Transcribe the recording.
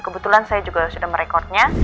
kebetulan saya juga sudah merekodnya